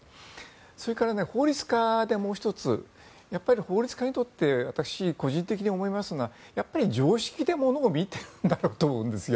それから、法律家でもう１つ法律家にとって私個人的に思いますのは常識的にものを見ることだと思うんですよ。